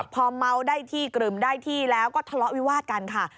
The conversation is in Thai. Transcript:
พอเมาได้ที่กรึมได้ที่แล้วก็ทะเลาะวิวาดกันค่ะ